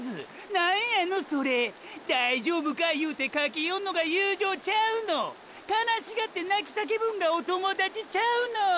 何やのそれ大丈夫かいうてかけよんのが友情ちゃうの⁉悲しがって泣き叫ぶんがお友達ちゃうの？